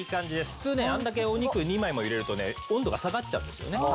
普通ねあんだけお肉２枚も入れるとね温度が下がっちゃうんですよね。